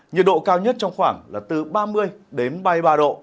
nhiệt độ cao nhất trong khoảng từ ba mươi ba mươi ba độ